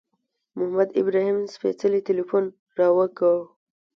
محمد ابراهیم سپېڅلي تیلفون را وکړ.